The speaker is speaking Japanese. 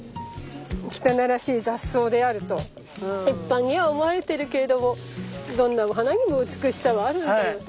汚らしい雑草であると一般には思われてるけれどもどんな花にも美しさはあるんだよと。